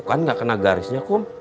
kan nggak kena garisnya kum